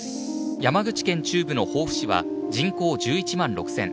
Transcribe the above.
山口県中部の防府市は人口１１万６０００。